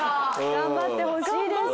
頑張ってほしいですもん。